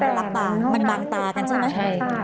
มันรับตามันบางตากันใช่ไหม